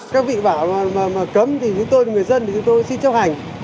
các vị bảo mà cấm thì chúng tôi là người dân thì chúng tôi xin chấp hành